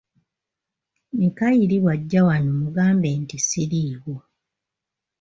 Mikayiri bwajja wano mugambe nti siriiwo.